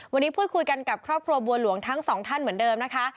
วันนี้พูดคุยกันกับครอบครัวบัวหลวงทั้งสองท่านเหมือนเดิมนะคะ